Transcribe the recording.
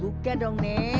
buka dong nek